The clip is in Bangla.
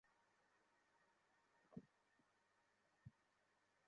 শিশুটিকে বর্তমানে দুধ, ফলের রসসহ তরল খাবার দেওয়া হচ্ছে বলে জানালেন কর্মকর্তারা।